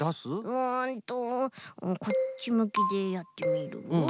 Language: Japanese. うんとこっちむきでやってみるよ。